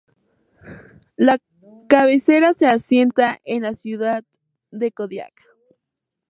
La cabecera se asienta en la ciudad de Kodiak.